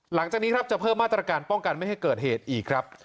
หลังจากนี้ครับจะเพิ่มมาตรการป้องกันไม่ให้เกิดเหตุอีกครับ